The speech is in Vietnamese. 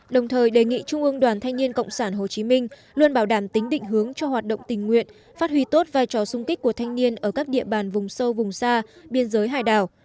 đồng thời đề nghị trung ương đoàn thanh niên cộng sản hồ chí minh luôn bảo đảm tính định hướng cho hoạt động tình nguyện phát huy tốt vai trò sung kích của thanh niên ở các địa bàn vùng sâu vùng xa biên giới hải đảo